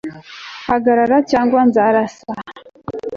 hagarara, cyangwa nzarasa